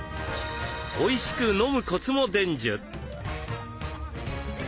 おいしく飲むコツも伝授。